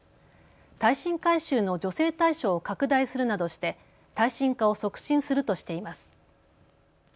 耐震改修の助成対象を拡大するなどして耐震化を促進するとしています。